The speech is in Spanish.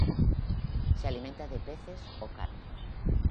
Se alimenta de peces o carne.